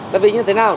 là vì như thế nào